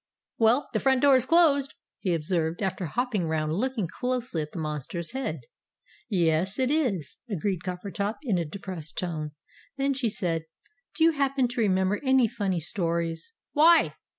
"Well, the front door is closed," he observed, after hopping round looking closely at the monster's head. "Yes, it is!" agreed Coppertop, in a depressed tone. Then she said, "Do you happen to remember any funny stories?" "Why?"